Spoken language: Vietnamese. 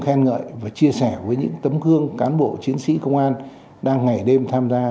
khen ngợi và chia sẻ với những tấm gương cán bộ chiến sĩ công an đang ngày đêm tham gia